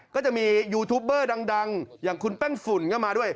ก็จะมียูทูปเบอร์ดังอย่างคุณแป้งฝุ่นก็มาด้วย